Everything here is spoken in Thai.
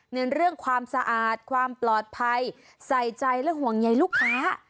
เน้นเรื่องความสะอาดความปลอดภัยใส่ใจและห่วงใยลูกค้า